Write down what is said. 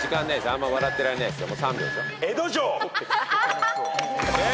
あんま笑ってられないですよ。